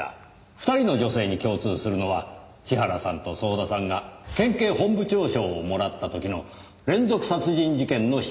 ２人の女性に共通するのは千原さんと早田さんが県警本部長賞をもらった時の連続殺人事件の被害者である事。